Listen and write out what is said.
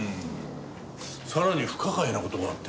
さらに不可解な事があってね。